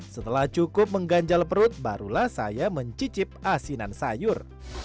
seberapa sering sih wajib makan sayur